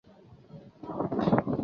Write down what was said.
锯脚泥蟹为沙蟹科泥蟹属的动物。